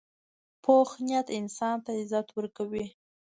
پوخ نیت انسان ته عزت ورکوي